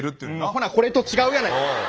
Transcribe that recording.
ほなこれと違うやないか。